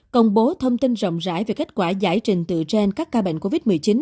công bố thông tin rộng rãi về kết quả giải trình từ trên các ca bệnh covid một mươi chín